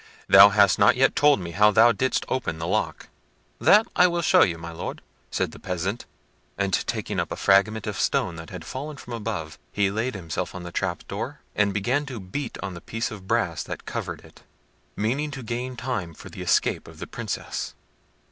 Thou hast not yet told me how thou didst open the lock." "That I will show you, my Lord," said the peasant; and, taking up a fragment of stone that had fallen from above, he laid himself on the trap door, and began to beat on the piece of brass that covered it, meaning to gain time for the escape of the Princess.